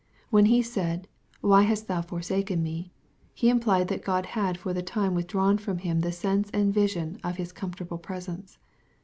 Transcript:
When He said * Why hast thou forsaken me/ He implied that G od had for the time withdrawn from Him the sense and vision of His comfortable presence.